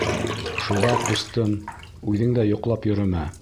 Шуға, ҡустым, үҙең дә йоҡлап йөрөмә.